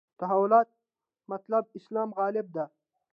تحولاتو مطلب اسلام غلبه ده.